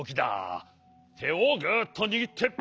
てをグッとにぎって。